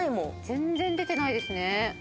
全然出てないですね。